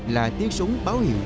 là tiếng súng báo hiệu